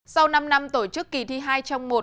sau năm năm tổ chức kỳ thi hai trong một